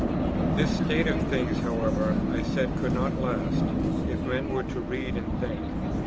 This state of things, however, I said, could not last, if men were to read and think.